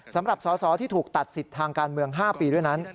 สำหรับสอสอที่ถูกตัดสิทธิ์ทางการเมือง๕ปีด้วยนั้น